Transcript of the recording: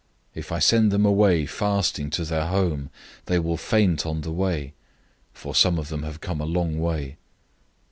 008:003 If I send them away fasting to their home, they will faint on the way, for some of them have come a long way."